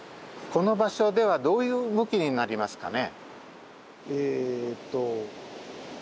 そのときはどういう動きになりますかね？